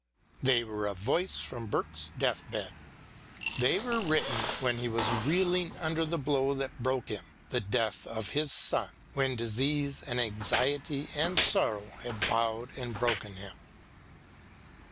They were a voice from Burke's deathbed. They were written when he was reeling under the blow that broke him, the death of his son, when disease and anxiety and sorrow had bowed and broken him.